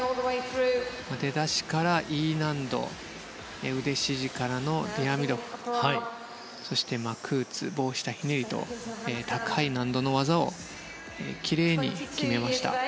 出だしからＥ難度の腕支持からのディアミドフそしてマクーツ、棒下ひねりと高い難度の技をきれいに決めました。